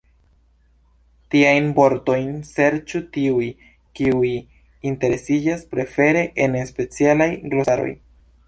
Tiajn vortojn serĉu tiuj, kiuj interesiĝas, prefere en specialaj glosaroj.